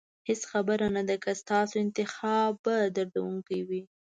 هېڅ خبره نه ده که ستاسو انتخاب به دردونکی وي.